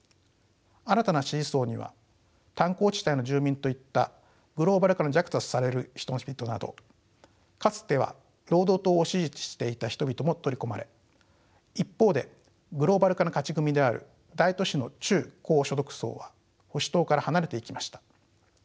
新たな支持層には炭鉱地帯の住民といったグローバル化の弱者とされる人々などかつては労働党を支持していた人々も取り込まれ一方でグローバル化の勝ち組である大都市の中高所得層は保守党から離れていきました。